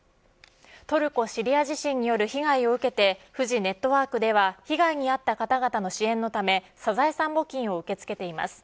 トルコ・シリア地震による被害を受けてフジネットワークでは被害に遭った方々の支援のためサザエさん募金を受け付けています。